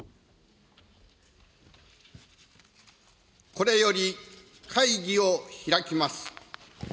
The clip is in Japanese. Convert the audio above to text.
これより会議を開きます。